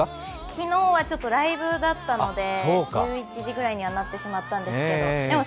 昨日はライブだったので１１時ぐらいにはなってしまったんですけれども